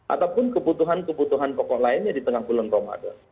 ataupun kebutuhan kebutuhan pokok lainnya di tengah bulan ramadan